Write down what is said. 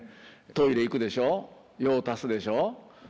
トイレ行くでしょ用足すでしょ